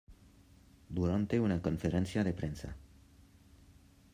Durante una conferencia de prensa.